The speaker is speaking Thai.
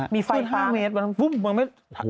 มีไฟฟ้า